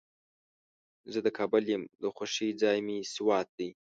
زه د کابل یم، د خوښې ځای مې سوات دی.